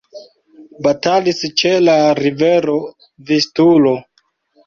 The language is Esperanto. Batalis ĉe la rivero Vistulo.